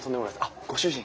あっご主人？